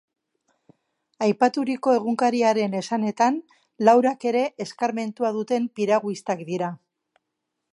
Aipaturiko egunkariaren esanetan, laurak ere eskarmentua duten piraguistak dira.